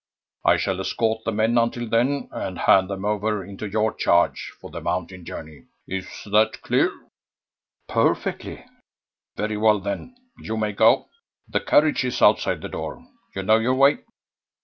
I shall escort the men until then, and hand them over into your charge for the mountain journey. Is that clear?" "Perfectly." "Very well, then; you may go. The carriage is outside the door. You know your way."